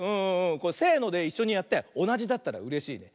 これせのでいっしょにやっておなじだったらうれしいね。